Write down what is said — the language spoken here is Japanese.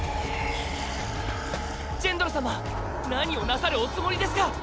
ジェンドル様何をなさるおつもりですか！？